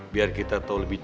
biar kita tahu lebih jauh